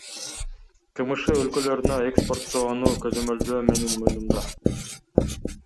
КМШ өлкөлөрүнө экспорттоону көзөмөлдөө менин моюнумда.